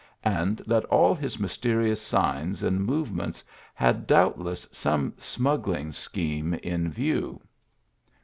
and that all his mysterious signs and movements had doubtless some smuggling scheme in view.